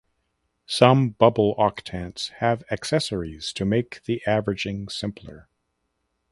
Some bubble octants have accessories to make the averaging simpler.